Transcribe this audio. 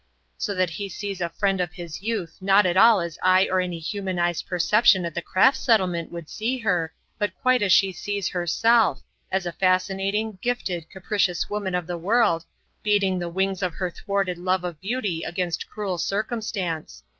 So that he sees the friend of his youth not at all as I or any humanized perception at the Crafts Settlement would see her, but quite as she sees herself, as a fascinating, gifted, capricious woman of the world, beating the wings of her thwarted love of beauty against cruel circumstance.